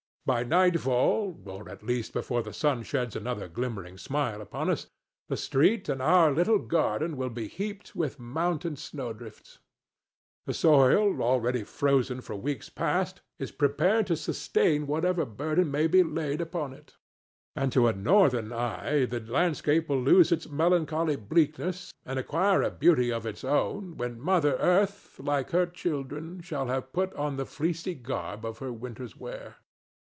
By nightfall—or, at least, before the sun sheds another glimmering smile upon us—the street and our little garden will be heaped with mountain snowdrifts. The soil, already frozen for weeks past, is prepared to sustain whatever burden may be laid upon it, and to a Northern eye the landscape will lose its melancholy bleakness and acquire a beauty of its own when Mother Earth, like her children, shall have put on the fleecy garb of her winter's wear.